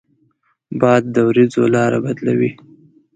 باد د ورېځو لاره بدلوي